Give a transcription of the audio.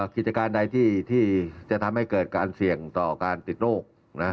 กิจการใดที่จะทำให้เกิดการเสี่ยงต่อการติดโรค